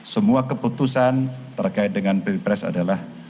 semua keputusan terkait dengan pilpres adalah keputusan saya